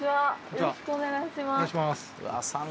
よろしくお願いします。